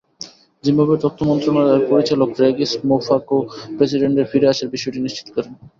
জিম্বাবুয়ের তথ্য মন্ত্রণালয়ের পরিচালক রেগিস মোফোকো প্রেসিডেন্টের ফিরে আসার বিষয়টি নিশ্চিত করেন।